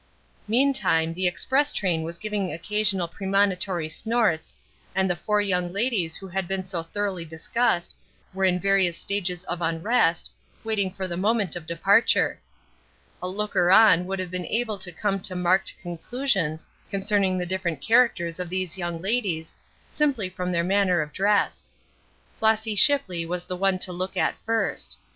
Meantime the express train was giving occasional premonitory snorts, and the four young ladies who had been so thoroughly discussed were in various stages of unrest, waiting for the moment of departure. A looker on would have been able to come to marked conclusions concerning the different characters of these young ladies, simply from their manner of dress. Flossy Shipley was the one to look at first.